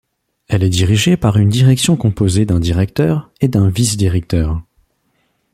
Elle est dirigée par une direction composée d'un directeur et d'un vice-directeur.